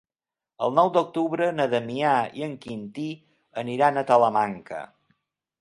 El nou d'octubre na Damià i en Quintí aniran a Talamanca.